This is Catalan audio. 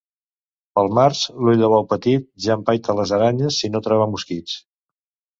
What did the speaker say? Pel març l'ull de bou petit ja empaita les aranyes, si no troba mosquits.